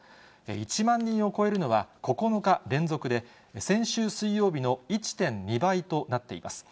１万人を超えるのは、９日連続で、先週水曜日の１．２倍となっています。